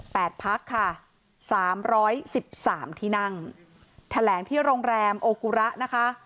แปดพักค่ะสามร้อยสิบสามที่นั่งแถลงที่โรงแรมโอกุระนะคะ